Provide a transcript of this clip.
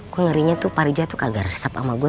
gue ngerinya tuh parija tuh kagak resep sama gue